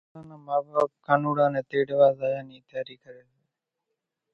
ڪانوڙا نان ما ٻاپ ڪانوڙا نين تيرووا زايا نِي تياري ڪري سي